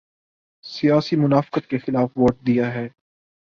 سیاسی منافقت کے خلاف ووٹ دیا ہے۔